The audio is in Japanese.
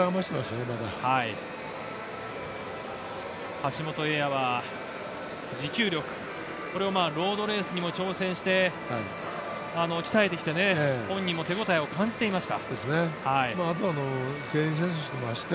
橋本英也は持久力、これをロードレースにも挑戦して鍛えてきてね、本人も手応えを感じていました。